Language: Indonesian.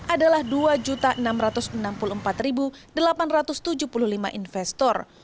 adalah dua enam ratus enam puluh empat delapan ratus tujuh puluh lima investor